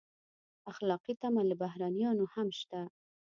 اخلاقي تمه له بهرنیانو هم شته.